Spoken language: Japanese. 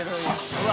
うわ。